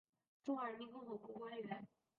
中华人民共和国官员。